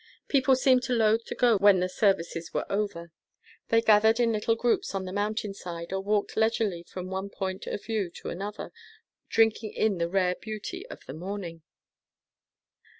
People seemed loath to go when the services were over. They gathered in little groups on the mountain side, or walked leisurely from one point of view to another, drinking in the rare beauty of the morning.